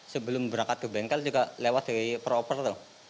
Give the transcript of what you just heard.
sebelum berangkat ke bengkel juga lewat peroper tuh